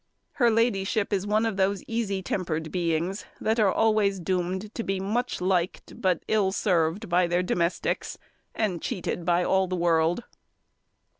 Her ladyship is one of those easy tempered beings that are always doomed to be much liked, but ill served, by their domestics, and cheated by all the world.